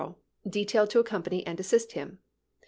^' ough, detailed to accompany and assist him.